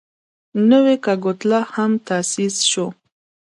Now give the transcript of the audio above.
نوی کګوتلا هم تاسیس شو.